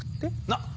なっ